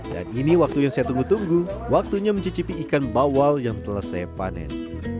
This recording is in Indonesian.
dan ini waktunya saya tunggu tunggu waktunya mencicipi ikan bawal yang telah saya panen